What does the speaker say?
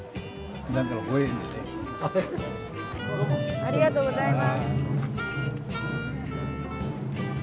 ありがとうございます。